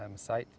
untuk tempat ini